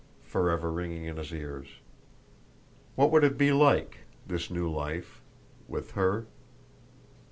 forever ringing in his ears? What would it be like, this new life with her?